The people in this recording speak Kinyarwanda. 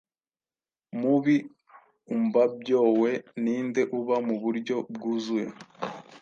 Mubiumbabyoe, ninde uba muburyo bwuzuye